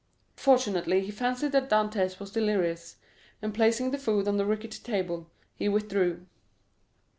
Fortunately, he fancied that Dantès was delirious; and placing the food on the rickety table, he withdrew.